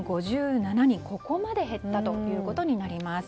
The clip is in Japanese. ここまで減ったということになります。